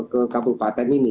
ke kabupaten ini